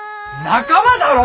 仲間だろ？